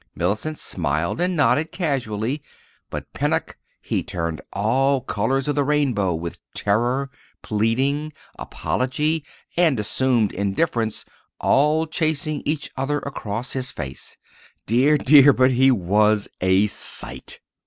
Mellicent smiled and nodded casually, but Pennock—he turned all colors of the rainbow with terror, pleading, apology, and assumed indifference all racing each other across his face. Dear, dear, but he was a sight!